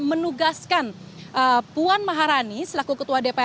menugaskan puan maharani selaku ketua dpr